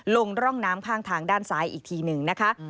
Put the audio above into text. ลงร่องน้ำข้างทางด้านซ้ายอีกทีหนึ่งนะคะ